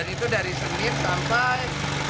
dan itu dari seming sampai